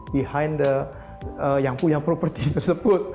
behind the yang punya properti tersebut